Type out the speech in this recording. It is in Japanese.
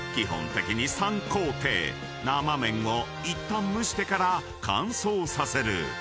［生麺をいったん蒸してから乾燥させる］